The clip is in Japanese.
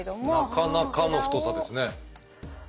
なかなかの太さですね。